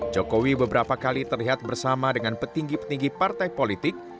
jokowi beberapa kali terlihat bersama dengan petinggi petinggi partai politik